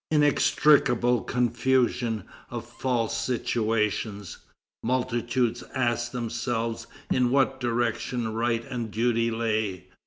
Inextricable confusion of false situations! Multitudes asked themselves in what direction right and duty lay.